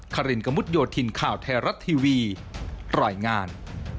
คารินกระมุดโยธินข่าวไทยรัฐทีวีรายงาน